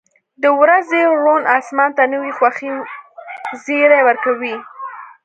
• د ورځې روڼ آسمان د نوې خوښۍ زیری ورکوي.